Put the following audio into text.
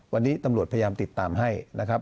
วันนี้ตำรวจพยายามติดตามให้นะครับ